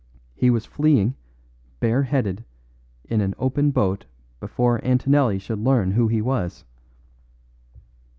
He was fleeing, bareheaded, in an open boat before Antonelli should learn who he was.